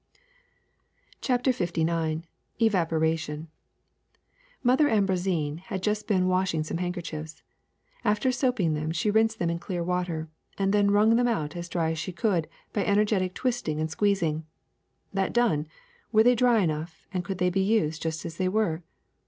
'' CHAPTER LIX EVAPORATION MOTHER AMBROISINE had just been wash ing some handkerchiefs. After soaping them she rinsed them in clear water, and then wrung them out as dry as she could by energetic twisting and squeezing. That done, were they dry enough, and could they be used just as they were